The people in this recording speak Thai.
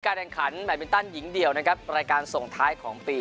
แข่งขันแบตมินตันหญิงเดี่ยวนะครับรายการส่งท้ายของปี